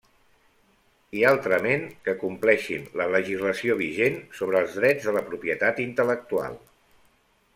I altrament, que compleixin la legislació vigent sobre els drets de la propietat intel·lectual.